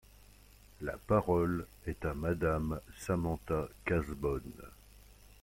La parole est à Madame Samantha Cazebonne.